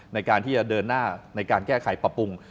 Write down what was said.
ในการที่จะเดินหน้าในการแก้ไขปรับปรุง